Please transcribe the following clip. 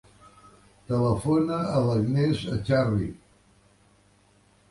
Telefona a l'Agnès Echarri.